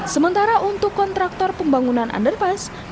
sementara untuk kontraktor pembangunan underpass